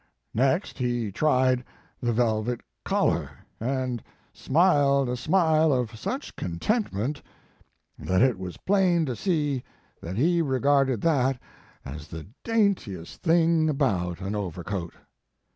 Next he tried the velvet collar, and smiled a smile of such contentment that it was plain to see that he regarded that as the daintiest J8 Mark Twain thing about an overcoat.